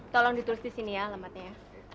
tolong ditulis disini ya alamatnya